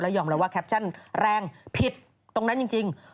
ยอมแล้วว่าแคปชั่นแรงผิดตรงนั้นจริง